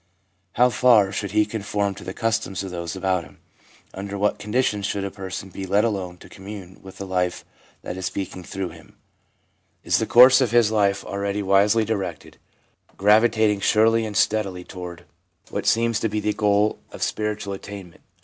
how far should he conform to the customs of those about him ? under what conditions should a person be let alone to commune with the life that is speaking through him ? is the course of his life already wisely directed, and gravitating surely and steadily toward 4 2o THE PSYCHOLOGY OF RELIGION what seems to be the goal of spiritual attainment